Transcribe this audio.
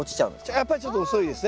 やっぱりちょっと遅いですね